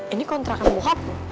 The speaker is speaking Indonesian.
ini kontrakan bokap